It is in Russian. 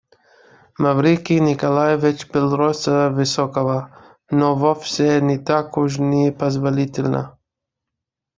Маврикий Николаевич был роста высокого, но вовсе не так уж непозволительно.